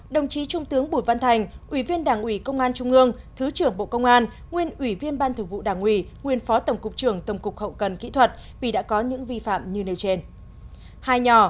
hai đồng chí trung tướng bùi văn thành ủy viên đảng ủy công an trung ương thứ trưởng bộ công an nguyên ủy viên ban thường vụ đảng ủy nguyên phó tổng cục trưởng tổng cục hậu cần kỹ thuật vì đã có những vi phạm như nêu trên